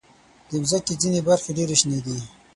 د مځکې ځینې برخې ډېر شنې دي.